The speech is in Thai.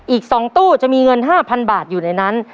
อีกสองตู้จะมีเงินห้าพันบาทอยู่ในนั้น